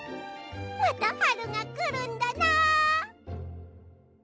またはるがくるんだな！